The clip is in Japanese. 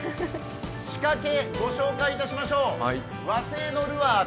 仕掛けをご紹介しましょう。